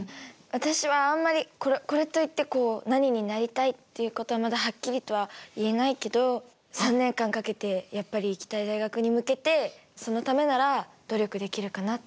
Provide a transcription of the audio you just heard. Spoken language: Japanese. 私はあんまりこれといってこう何になりたいっていうことはまだはっきりとは言えないけど３年間かけてやっぱり行きたい大学に向けてそのためなら努力できるかなって思います。